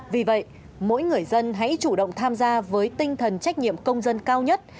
vì vậy mỗi người dân hãy chủ động tham gia với tinh thần trách nhiệm công dân cao nhất